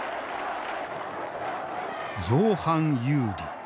「造反有理。